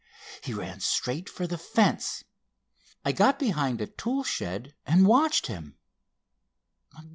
He ran straight for the fence. I got behind a tool shed and watched him."